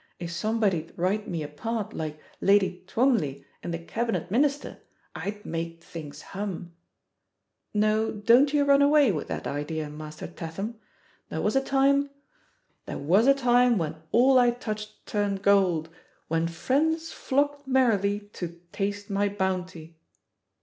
if somebody'd write me a part like Lady Twombley in The Cabinet Minister I'd make things hum ! No, don't you run away with that idea. Master Tatham. There was a time, 'There was a time when all I touched turned gold. When friends flocked merrily to taste mj bounty!'